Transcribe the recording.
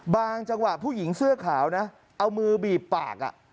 จังหวะผู้หญิงเสื้อขาวนะเอามือบีบปาก